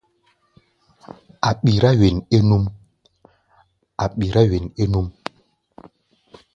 A̧ ɓirá wen é núʼm.